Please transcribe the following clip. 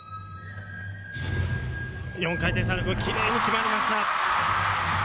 ４回転サルコウきれいに決まりました。